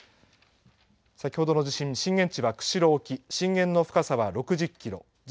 先ほどの地震、震源地は釧路沖震源の深さは６０キロ。